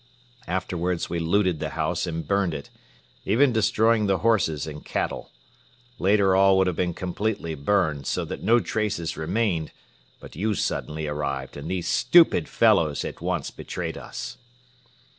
Afterwards we looted the house and burned it, even destroying the horses and cattle. Later all would have been completely burned, so that no traces remained, but you suddenly arrived and these stupid fellows at once betrayed us.